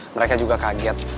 mereka juga kaget